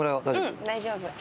うん大丈夫。